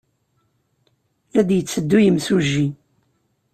La d-yetteddu yimsujji.